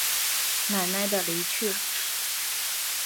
奶奶的离去